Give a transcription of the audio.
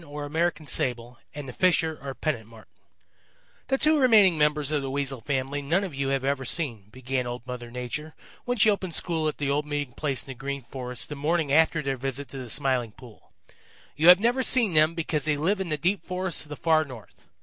CHAPTER XXVI Spite the Marten and Pekan the Fisher "The two remaining members of the Weasel family none of you have ever seen," began Old Mother Nature, when she opened school at the old meeting place in the Green Forest the morning after their visit to the Smiling Pool. "You have never seen them because they live in the deep forests of the Far North.